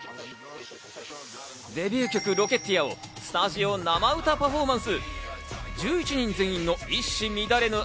デビュー曲『Ｒｏｃｋｅｔｅｅｒ』をスタジオ生歌パフォーマンス。